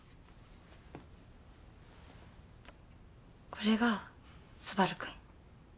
これが昴くん。